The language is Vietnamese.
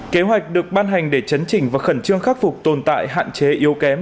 kế hoạch được ban hành để chấn chỉnh và khẩn trương khắc phục tồn tại hạn chế yếu kém